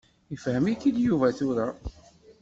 Ifhem-ik-id Yuba tura.